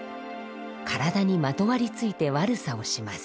体にまとわりついて悪さをします。